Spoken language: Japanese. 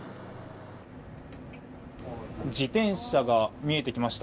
自転車が見えてきました。